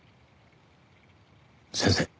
先生